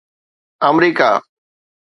آمريڪا